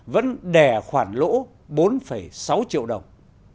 vẫn đè khoản lỗ bốn sáu triệu đồng